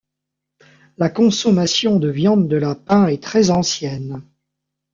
La consommation de viande de lapin est très ancienne.